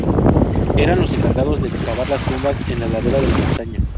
Eran los encargados de excavar las tumbas en la ladera de la montaña.